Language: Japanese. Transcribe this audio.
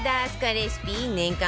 レシピ年間